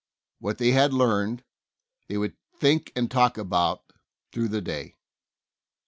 What they had learned, they would think and talk BIBLE STUDY. 165 about through the day.